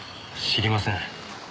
知りません。